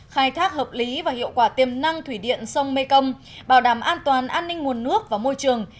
khai thác hợp lý và hiệu quả tiềm năng thủy điện sông mekong bảo đảm an toàn an ninh nguồn nước và môi trường